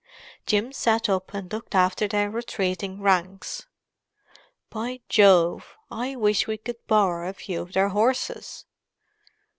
Jim sat up and looked after their retreating ranks. "By Jove, I wish we could borrow a few of their horses!"